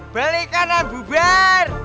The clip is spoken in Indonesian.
balik kanan bubar